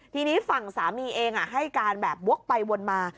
ทีนี้ฝั่งสามีเองให้การแบบวกไปวนมา